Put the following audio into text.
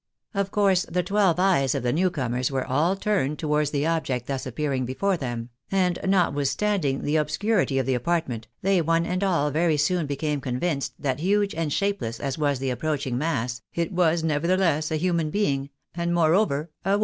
Of course, the twelve eyes of the new comers were all turned towards the object thus appearing before them, and notwithstanding the obscurity of the apartment, they one and all very soon became convinced that huge and shapeless as was the approaching mass, it was nevertheless a human being, and moreover a woman.